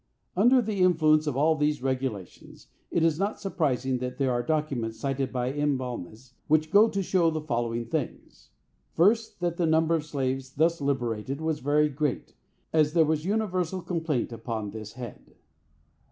Under the influence of all these regulations, it is not surprising that there are documents cited by M. Balmes which go to show the following things. First, that the number of slaves thus liberated was very great, as there was universal complaint upon this head.